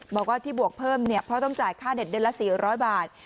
บอกว่าที่บวกเพิ่มเนี่ยเพราะต้องจ่ายค่าเด็ดเดือนละ๔๐๐บาท